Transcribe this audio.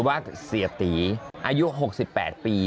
อายุ๖๘ปี